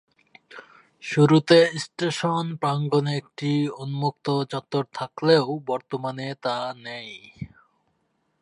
শুরুতে স্টেশন প্রাঙ্গনে একটি উন্মুক্ত চত্বর থাকলেও বর্তমানে তা নেই।